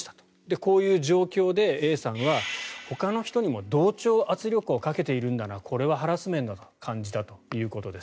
こういう状況でＡさんはほかの人にも同調圧力をかけているこれはハラスメントだと思うと感じたということです。